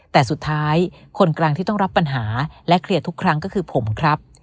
แต่สุดท้ายคนกลางที่ต้องรับปัญหาและเคลียร์ทุกครั้งก็คือผมครับ